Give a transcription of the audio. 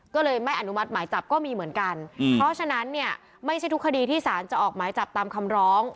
ก็เลยไม่อนุมัติหมายจับก็มีเหมือนกันเพราะฉะนั้นเนี่ยไม่ใช่ทุกคดีที่สารจะออกหมายจับตามคำร้อง